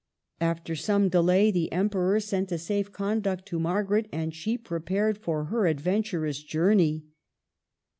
After some delay the Emperor sent a safe conduct to Margaret, and she prepared for her adventurous journey.